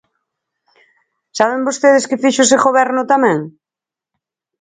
¿Saben vostedes que fixo ese Goberno tamén?